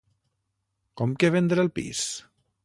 Com que vendre el pis?